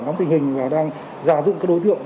nắm tình hình và đang giả dụng các đối tượng